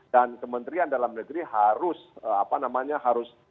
dan kementerian dalam negeri harus